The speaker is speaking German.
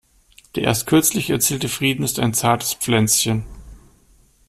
Der erst kürzlich erzielte Frieden ist ein zartes Pflänzchen.